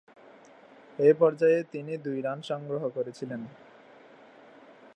এ পর্যায়ে তিনি দুই রান সংগ্রহ করেছিলেন।